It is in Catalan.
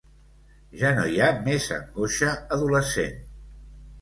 Ja no hi ha més angoixa adolescent.